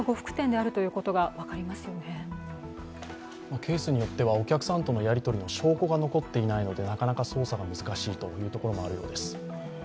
ケースによっては、お客さんとのやり取りも証拠が残ってないのでなかなか捜査が難しいところもあるようです。